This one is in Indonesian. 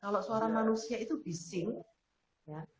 kalau suara manusia itu bising